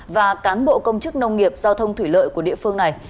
và cán bộ công chức nông nghiệp giao thông thủy lợi của địa phương này